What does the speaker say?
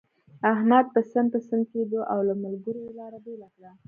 احمد پسن پسن کېدو، او له ملګرو يې لاره بېله کړه.